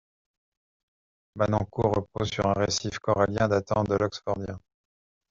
Bannoncourt repose sur un récif corallien datant de l’Oxfordien.